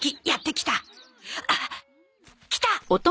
来た！